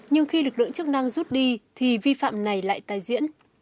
nhưng khi lực lượng chức năng rút đi thì vi phạm này lại tái diễn